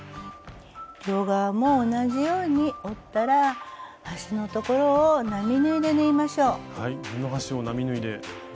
両側も同じように折ったら端の所を並縫いで縫いましょう。